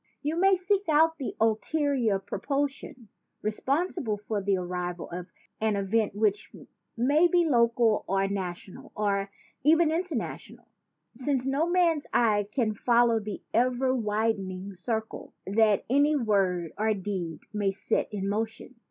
You may seek out the ul terior propulsion responsible for the arrival of an event which may be local or national or even international, since no man's eye can follow the ever widening circle that any word or deed may set in motion.